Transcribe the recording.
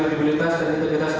dan disambungkan oleh majelis ketiga